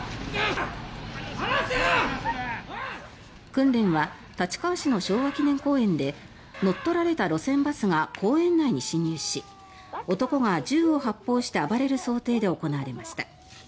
訓練は立川市の昭和記念公園で乗っ取られた路線バスが公園内に侵入し男が銃を発砲して暴れる想定で行われました。